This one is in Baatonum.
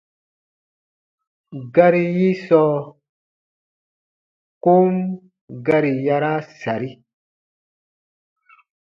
Gari yi sɔɔ kom gari yaraa sari.